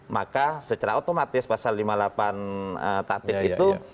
maka secara otomatis pasal lima puluh delapan tatib itu